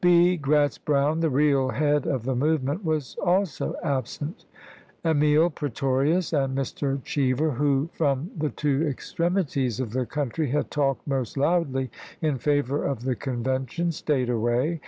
B. Gratz Brown, the real head of the movement, was also absent. Emil Pretorius and Mr. Cheever, who, from the two extremities of the country had talked most loudly in favor of the Convention, staid away.